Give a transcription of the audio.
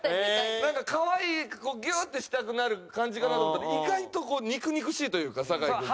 なんかかわいいギューッてしたくなる感じかなと思ったら意外とこう肉々しいというか酒井君って。